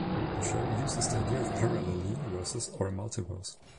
The show uses the idea of parallel universes, or a multiverse.